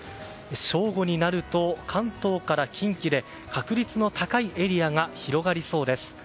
正午になると、関東から近畿で確率の高いエリアが広がりそうです。